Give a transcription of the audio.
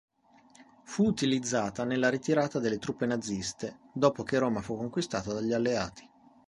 Fu utilizzata nella ritirata delle truppe naziste, dopo che Roma fu conquistata dagli alleati.